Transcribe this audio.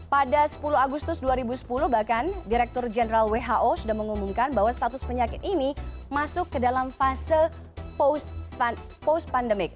pada sepuluh agustus dua ribu sepuluh bahkan direktur jenderal who sudah mengumumkan bahwa status penyakit ini masuk ke dalam fase post pandemic